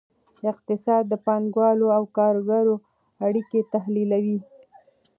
اقتصاد د پانګوالو او کارګرو اړیکې تحلیلوي.